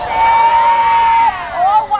ทีมงาน